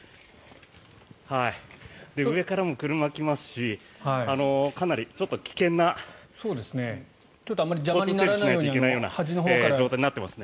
上からも車が来ますしかなり危険な交通整理をしないといけないような状況になっていますね。